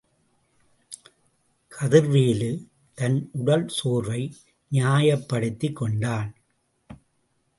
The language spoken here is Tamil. கதிர்வேலு தன் உடல் சோர்வை, நியாயப்படுத்திக் கொண்டான்.